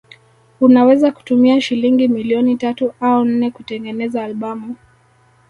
Unaweza kutumia shilingi milioni tatu au nne kutengeneza albamu